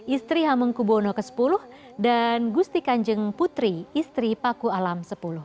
istri hemeng kubono ke sepuluh dan gusti kanjeng putri istri paku alam sepuluh